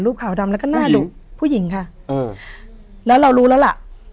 ขาวดำแล้วก็หน้าดุผู้หญิงค่ะเออแล้วเรารู้แล้วล่ะ